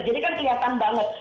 jadi kan kelihatan banget